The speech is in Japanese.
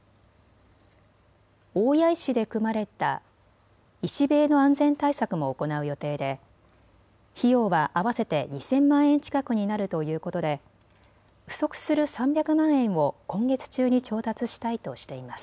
大谷石で組まれた石塀の安全対策も行う予定で費用は合わせて２０００万円近くになるということで不足する３００万円を今月中に調達したいとしています。